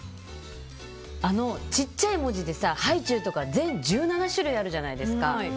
ちっちゃい文字でハイチュウとか全１７種類あるじゃないですか。